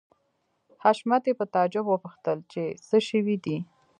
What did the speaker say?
حشمتي په تعجب وپوښتل چې څه شوي دي